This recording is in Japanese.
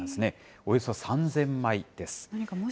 およそ３０００枚です。